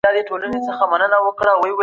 که عايد زيات سي د ژوند کچه لوړيږي.